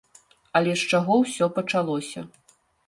Але з чаго ўсё пачалося.